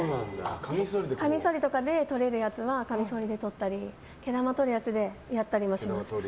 かみそりとかで取れるやつはかみそりで取ったり毛玉とるやつでやったりもします。